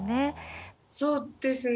そうですね。